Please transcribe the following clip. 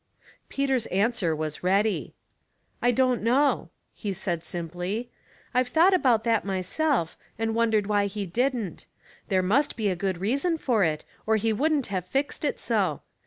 Peter's answer was ready. "I don't know," he said, simply. "I've thought about that myself, and wondered why He didn't. There must be a good reason for it, or He wouldn't have fixed it so.